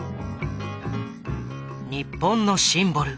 日本のシンボル